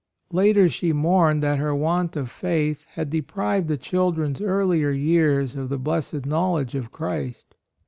Later she mourned that her want of faith had deprived the children's earlier years of the blessed knowledge of Christ.